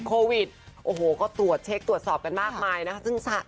โควิดโอ้โหก็ตรวจเช็คตรวจสอบกันมากมายนะคะ